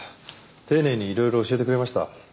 丁寧に色々教えてくれました。